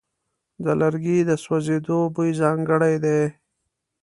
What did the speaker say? د لرګي د سوځېدو بوی ځانګړی دی.